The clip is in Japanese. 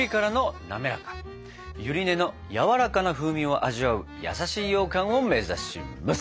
ゆり根のやわらかな風味を味わう優しいようかんを目指します！